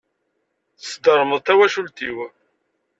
Tesdermeḍ tawacult-iw.